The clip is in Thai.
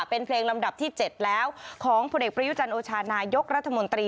เป็นเพลงลำดับที่๗แล้วของผลเอกประยุจันโอชานายกรัฐมนตรี